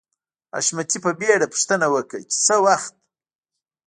حشمتي په بېړه پوښتنه وکړه چې څه وخت